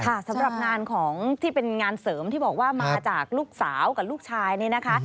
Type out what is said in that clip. สำหรับงานของที่เป็นงานเสริมที่บอกว่ามาจากลูกสาวกับลูกชายนี่นะคะ